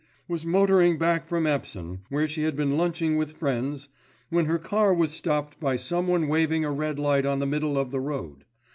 was motoring back from Epsom, where she had been lunching with friends, when her car was stopped by someone waving a red light on the middle of the road.